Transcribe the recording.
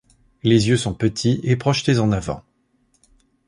Les yeux sont petits et projetés en avant.